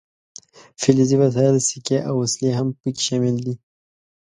فلزي وسایل سیکې او وسلې هم پکې شاملې دي.